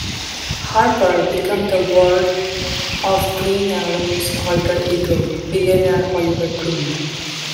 Harper became the ward of Green Arrow's alter ego, billionaire Oliver Queen.